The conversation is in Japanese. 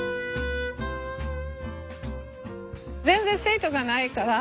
全然生徒がないから。